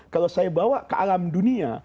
kalau saya bawa ke alam dunia